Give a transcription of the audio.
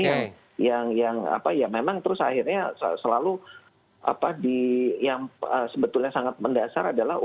nah ini yang memang terus akhirnya selalu yang sebetulnya sangat mendasar adalah